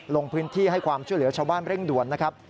ลงพื้นที่ให้ความช่วยเหลือชาวบ้านเร่งด่วนนะครับ